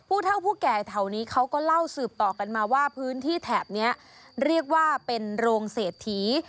เท่าผู้แก่แถวนี้เขาก็เล่าสืบต่อกันมาว่าพื้นที่แถบนี้เรียกว่าเป็นโรงเศรษฐี